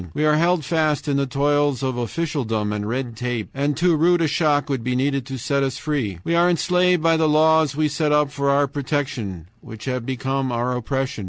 We are held fast in the toils of officialdom and red tape, and too rude a shock would be needed to set us free. We are enslaved by the laws we set up for our protection, which have become our oppression.